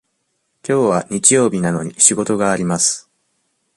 きょうは日曜日なのに仕事があります。